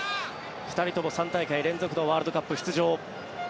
２人とも３大会連続のワールドカップ出場。